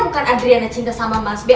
bukan adriana cinta sama mas b